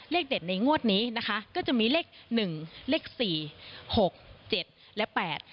เลขเด็ดในงวดนี้นะคะก็จะมีเลขหนึ่งเลขสี่หกเจ็ดและแปด